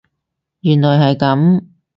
原來係噉